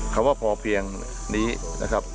คำว่าพอเพียงนี้นะครับ